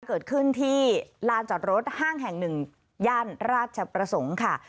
เกิดขึ้นที่ลานจอดรถห้างแห่งหนึ่งย่านราชประสงค์ค่ะ